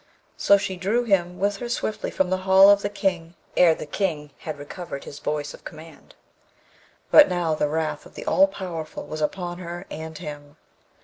So she drew him with her swiftly from the hall of the King ere the King had recovered his voice of command; but now the wrath of the All powerful was upon her and him!